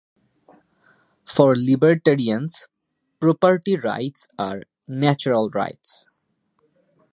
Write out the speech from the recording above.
For libertarians, property rights are natural rights.